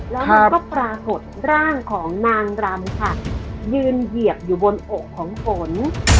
แล้วมันก็ปรากฏร่างของนางรำค่ะยืนเหยียบอยู่บนอกของฝน